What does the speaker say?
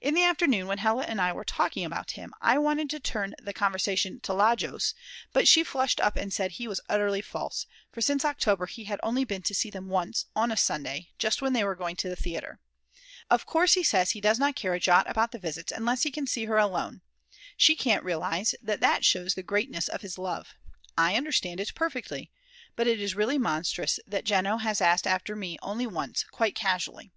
In the afternoon, when Hella and I were talking about him, I wanted to turn the conversation to Lajos, but she flushed up and said he was utterly false, for since October he had only been to see them once, on a Sunday, just when they were going to the theatre. Of course he says he does not care a jot about the visits unless he can see her alone. She can't realise that that shows the greatness of his love. I understand it perfectly. But it is really monstrous that Jeno has asked after me only once, quite casually.